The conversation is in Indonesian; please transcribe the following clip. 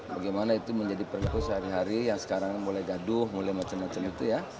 bagaimana itu menjadi perpu sehari hari yang sekarang mulai gaduh mulai macam macam itu ya